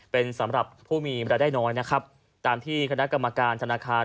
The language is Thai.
เป็นสำหรับผู้มีรายได้น้อยนะครับตามที่คณะกรรมการธนาคาร